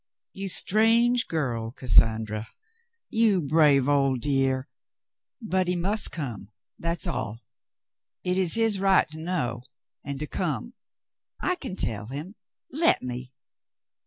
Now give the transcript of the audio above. '' "You strange girl, Cassandra ! You brave old dear ! But he must come, that's all. It is his right to know and to come. I can tell him. Let me."